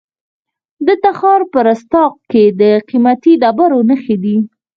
د تخار په رستاق کې د قیمتي ډبرو نښې دي.